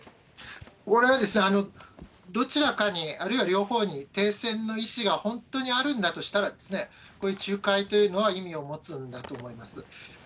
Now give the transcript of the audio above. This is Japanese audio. これは、どちらかに、あるいは両方に、停戦の意志が本当にあるんだとしたら、こういう仲介というのは、意味を持つんだと思います。